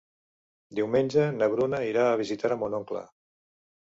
Diumenge na Bruna irà a visitar mon oncle.